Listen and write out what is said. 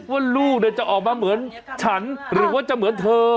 ว่าลูกจะออกมาเหมือนฉันหรือว่าจะเหมือนเธอ